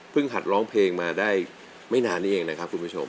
หัดร้องเพลงมาได้ไม่นานนี้เองนะครับคุณผู้ชม